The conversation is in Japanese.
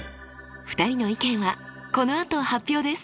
２人の意見はこのあと発表です！